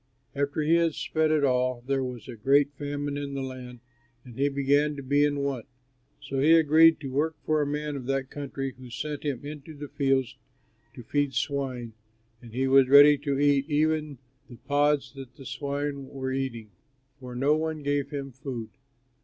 After he had spent it all, there was a great famine in the land, and he began to be in want. So he agreed to work for a man of that country, who sent him into his fields to feed swine; and he was ready to eat even the pods that the swine were eating, for no one gave him food.